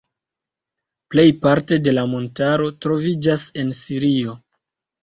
Plejparte de la montaro troviĝas en Sirio.